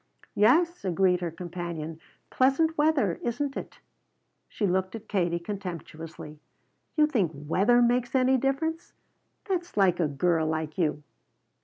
"Yes," agreed her companion, "pleasant weather, isn't it?" She looked at Katie contemptuously. "You think weather makes any difference? That's like a girl like you!"